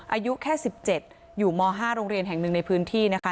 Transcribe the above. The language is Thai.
อายุแค่๑๗อยู่ม๕โรงเรียนแห่งหนึ่งในพื้นที่นะคะ